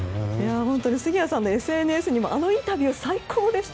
杉谷さんのＳＮＳにもあのインタビュー、最高でした